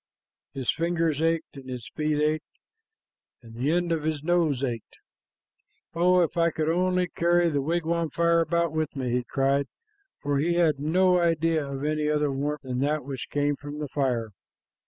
His fingers ached, and his feet ached, and the end of his nose ached. "Oh, if I could only carry the wigwam fire about with me!" he cried, for he had no idea of any other warmth than that which came from the fire.